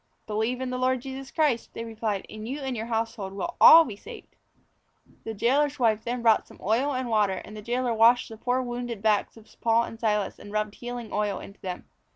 "Believe in the Lord Jesus Christ," they replied, "and you and your household will all be saved." The jailor's wife then brought some oil and water, and the jailor washed the poor wounded backs of Paul and Silas and rubbed healing oil into them.